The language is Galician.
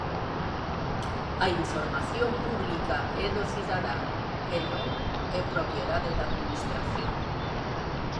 A información pública é do cidadán e non é propiedade da Administración.